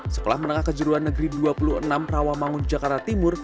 sekolah menengah kejuruan negeri dua puluh enam rawamangun jakarta timur